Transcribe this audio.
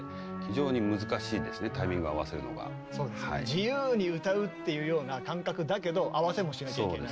自由に歌うっていうような感覚だけど合わせもしなきゃいけない。